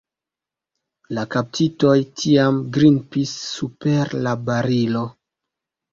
La kaptitoj tiam grimpis super la barilo.